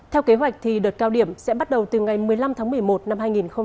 theo kế hoạch thì đợt cao điểm sẽ bắt đầu từ ngày một mươi năm tháng một mươi một năm hai nghìn hai mươi